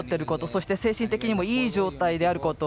そして精神的にもいい状態であること。